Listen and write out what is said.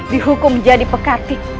dihukum menjadi pekatik